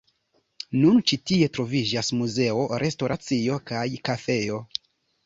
Nun ĉi tie troviĝas muzeo, restoracio kaj kafejo.